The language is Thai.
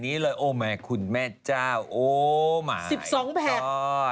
พี่ปุ้ยลูกโตแล้ว